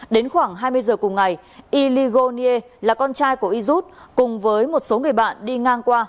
đến khoảng hai mươi h cùng ngày yli goniê là con trai của yrút cùng với một số người bạn đi ngang qua